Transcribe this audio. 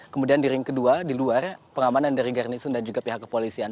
kemudian di ring kedua di luar pengamanan dari garnison dan juga pihak kepolisian